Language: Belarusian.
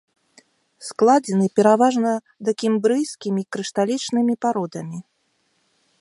Складзены пераважна дакембрыйскімі крышталічнымі пародамі.